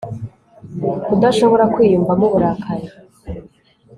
Kudashobora kwiyumvamo uburakari